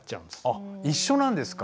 あっ一緒なんですか？